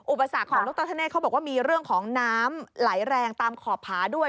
อุปสรรคของดรธเนธเขาบอกว่ามีเรื่องของน้ำไหลแรงตามขอบผาด้วย